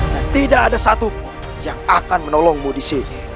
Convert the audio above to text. dan tidak ada satupun yang akan menolongmu disini